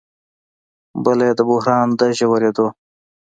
بله یې د بحران د ژورېدو